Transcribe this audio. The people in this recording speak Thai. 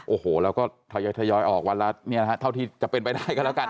โอ้โหเราก็ทยอยออกวันละเนี่ยนะฮะเท่าที่จะเป็นไปได้ก็แล้วกัน